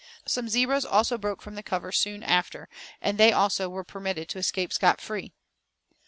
Some zebras also broke from the cover soon after and they also were permitted to escape scot free.